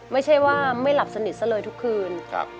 ไม่ใช่ว่าไม่หลับสนิทซะเลยทุกคืน